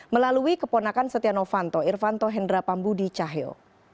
melalui keponakan setia novanto irvanto hendra pambudi cahyo